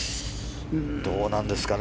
どうなんですかね。